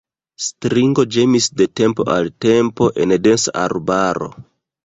Strigo ĝemis de tempo al tempo en densa arbaro.